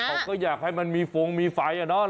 เขาก็อยากให้มันมีฟงมีไฟอะเนาะ